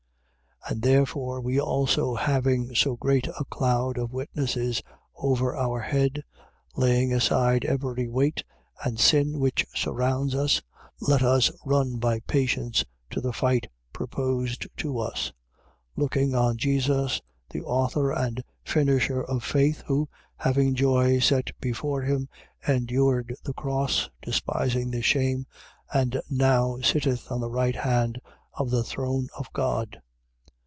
12:1. And therefore we also having so great a cloud of witnesses over our head, laying aside every weight and sin which surrounds us, let us run by patience to the fight proposed to us: 12:2. Looking on Jesus, the author and finisher of faith, who, having joy set before him, endured the cross, despising the shame, and now sitteth on the right hand of the throne of God.